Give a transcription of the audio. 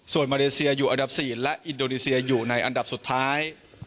ส่วนมาเลเซียอยู่อันดับ๔และอินโดนีเซียอยู่ในอันดับสุดท้าย